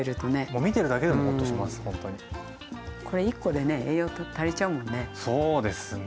これ１個でね栄養足りちゃうもんね。